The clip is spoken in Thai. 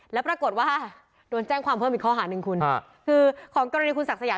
แล้วปรากฏว่าโดนแจ้งความเพิ่มอีกข้อหาหนึ่งคุณคือของกรณีคุณศักดิ์สยาม